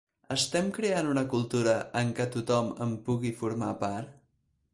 Estem creant una cultura en què tothom en pugui formar part?